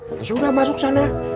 ya sudah masuk sana